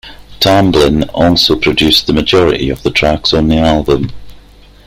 Tamblyn also produced the majority of the tracks on the album.